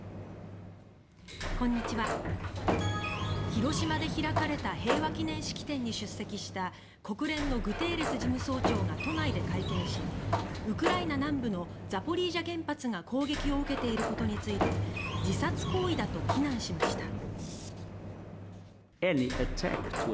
広島で開かれた平和記念式典に出席した国連のグテーレス事務総長が都内で会見しウクライナ南部のザポリージャ原発が攻撃を受けていることについて自殺行為だと非難しました。